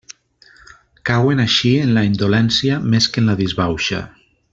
Cauen així en la indolència més que en la disbauxa.